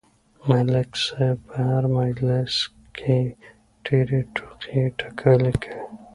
ملک صاحب په هر مجلس کې ډېرې ټوقې ټکالې کوي.